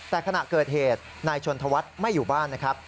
แต่ขณะเกิดเหตุนายชนธวัฒน์ไม่อยู่บ้านนะครับ